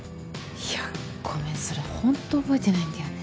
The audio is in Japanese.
いやごめんそれほんと覚えてないんだよね。